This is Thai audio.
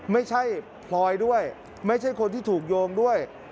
พลอยด้วยไม่ใช่คนที่ถูกโยงด้วย